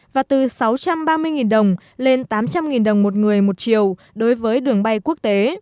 và từ sáu trăm ba mươi đồng lên tám trăm linh đồng một người một chiều đối với đường bay quốc tế